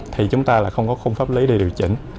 thì chúng ta lại không có khung pháp lý để điều chỉnh